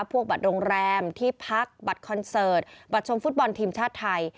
บัตรโรงแรมที่พักบัตรคอนเสิร์ตบัตรชมฟุตบอลทีมชาติไทย